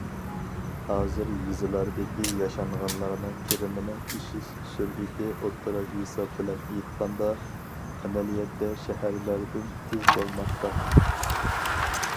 ھازىر يېزىلاردىكى ياشانغانلارنىڭ كىرىمىنىڭ ئېشىش سۈرئىتى ئوتتۇرا ھېساب بىلەن ئېيتقاندا، ئەمەلىيەتتە شەھەرلەردىن تېز بولماقتا.